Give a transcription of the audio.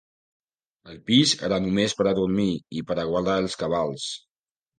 El pis era no més pera dormir i pera guardar els cabals: